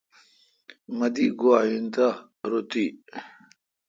مہ دی گوا این تہ رو تی۔